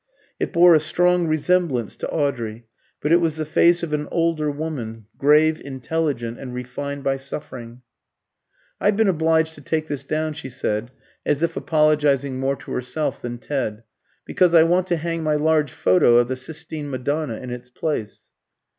It bore a strong resemblance to Audrey, but it was the face of an older woman, grave, intelligent, and refined by suffering. "I've been obliged to take this down," she said, as if apologising more to herself than Ted, "because I want to hang my large photo of the Sistine Madonna in its place."